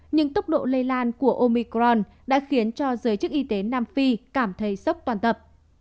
nhưng tốc độ lây lan của omicron đã khiến cho giới chức y tế nam phi cảm thấy sốc toàn tập